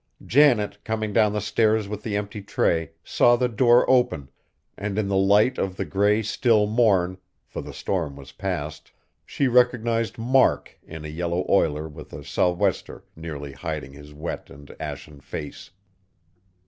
Janet, coming down the stairs with the empty tray, saw the door open, and in the light of the gray, still morn, for the storm was past, she recognized Mark in a yellow oiler with a sou'wester nearly hiding his wet and ashen face.